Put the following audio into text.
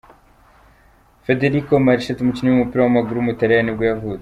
Federico Marchetti, umukinnyi w’umupira w’amaguru w’umutaliyani nibwo yavutse.